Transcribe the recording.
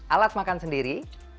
alat makan sendiri